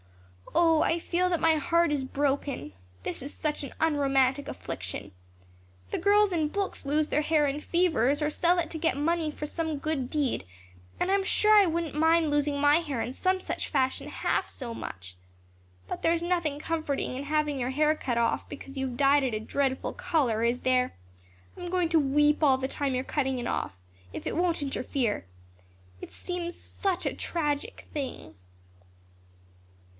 Oh, I feel that my heart is broken. This is such an unromantic affliction. The girls in books lose their hair in fevers or sell it to get money for some good deed, and I'm sure I wouldn't mind losing my hair in some such fashion half so much. But there is nothing comforting in having your hair cut off because you've dyed it a dreadful color, is there? I'm going to weep all the time you're cutting it off, if it won't interfere. It seems such a tragic thing."